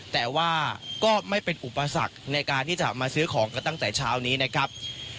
แต่ว่าก็ไม่เป็นอุปสรรคในการที่จะมาซื้อของกันตั้งแต่เช้านี้นะครับ